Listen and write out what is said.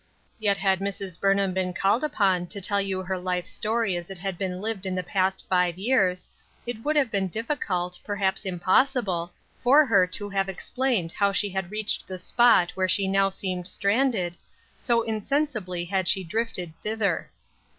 Yet had Mrs. Burnham been called upon to tell her life story as it had been lived in the past five years, it would have been diffi cult, perhaps impossible, for her to have explained how she reached the spot where she now seemed stranded, so insensibly had she drifted thither.